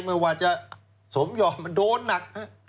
ไม่ว่าจะสมยอมมันโดนหนัก